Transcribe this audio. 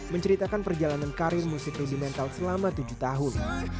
menceritakan perjalanan karir musik rudimental selama tujuh tahun